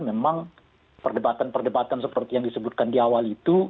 memang perdebatan perdebatan seperti yang disebutkan di awal itu